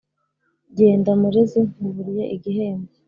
Jyenda Murezi nkuburiye igihembo!